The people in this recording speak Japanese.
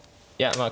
まあ